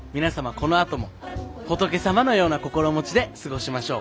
このあとも仏様のような心持ちで過ごしましょう。